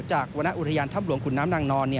จากวรรณอุรายัณฑ์ท่ำหลวงขุนน้ำรังนอน